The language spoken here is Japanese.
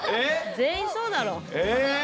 全員そうだろ。ええ？